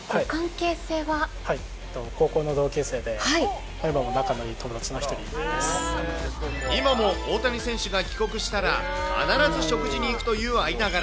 高校の同級生で、今も仲のい今も大谷選手が帰国したら、必ず食事に行くという間柄。